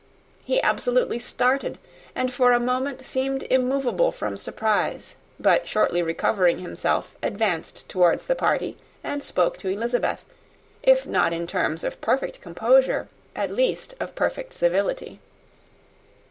He absolutely started, and for a moment seemed immovable from surprise; but shortly recovering himself, advanced towards the party, and spoke to Elizabeth, if not in terms of perfect composure, at least of perfect civility.